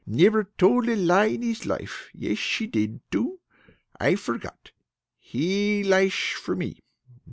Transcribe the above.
Never told a lie in his life. Yesh, he did, too. I forgot. He liesh for me.